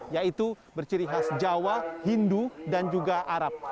yaitu berciri khas jawa hindu dan juga arab